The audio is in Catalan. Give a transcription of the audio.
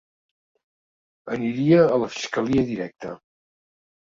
Aniria a la fiscalia directe.